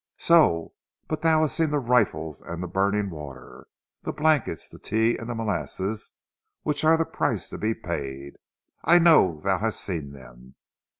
"So! But thou hast seen the rifles and the burning water, the blankets, the tea and the molasses which are the price to be paid. I know that thou hast seen them."